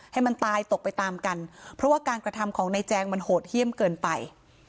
ให้มันตายตกไปตามกันเพราะว่าการกระทำของนายแจงมันโหดเยี่ยมเกินไป